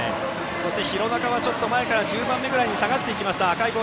廣中は前から１０番目くらいに下がりました。